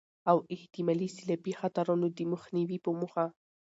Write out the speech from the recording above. او احتمالي سيلابي خطرونو د مخنيوي په موخه